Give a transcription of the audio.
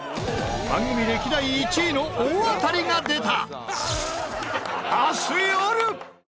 番組歴代１位の大当たりが出た！